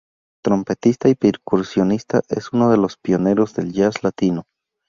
Trompetista y percusionista, es uno de los pioneros del jazz latino.